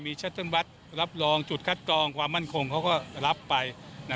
มีชัตเติ้ลวัดรับรองจุดคัดกรองความมั่นคงเขาก็รับไป